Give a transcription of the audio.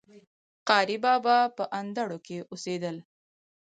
قاري بابا په اندړو کي اوسيدل